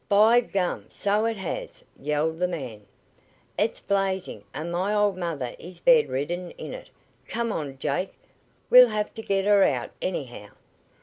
"By gum! So it has!" yelled the man. "It's blazing, and my old mother is bedridden in it! Come on, Jake! We'll have t' git her out, anyhow.